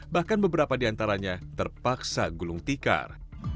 bahkan beberapa di antaranya terpaksa gulung tikar